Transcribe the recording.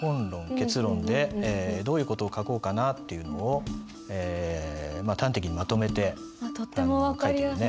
結論でどういう事を書こうかなっていうのをまあ端的にまとめて書いてるね。